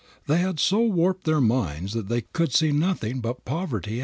They had so warped their minds that they could see nothing ahead but poverty.